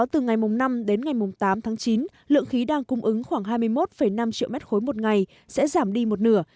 từ ngày năm tám chín lượng khí đang cung ứng khoảng hai mươi một năm triệu m ba một ngày sẽ giảm đi một nửa